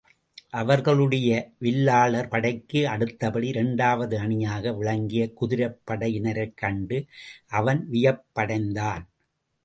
அவர்களுடைய வில்லாளர் படைக்கு அடுத்தபடி இரண்டாவது அணியாக விளங்கிய குதிரைப் படையினரைக் கண்டு, அவன் வியப்படைத்தான்.